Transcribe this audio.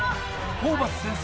ホーバス先生